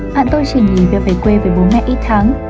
bạn tôi chỉ nhìn về quê với bố mẹ ít tháng